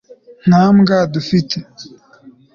nta mbwa dufite